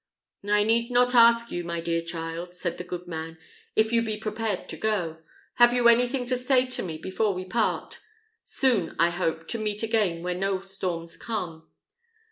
"I need not ask you, my dear child," said the good man, "if you be prepared to go. Have you anything to say to me before we part? soon I hope, to meet again where no storms come."